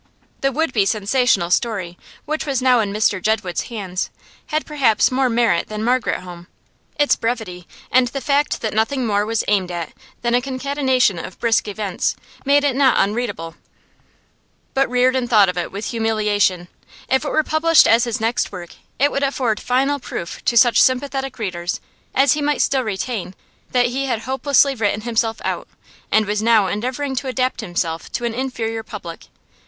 The would be sensational story which was now in Mr Jedwood's hands had perhaps more merit than 'Margaret Home'; its brevity, and the fact that nothing more was aimed at than a concatenation of brisk events, made it not unreadable. But Reardon thought of it with humiliation. If it were published as his next work it would afford final proof to such sympathetic readers as he might still retain that he had hopelessly written himself out, and was now endeavouring to adapt himself to an inferior public.